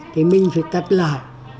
thì mình phải cắt lại